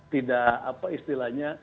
tidak apa istilahnya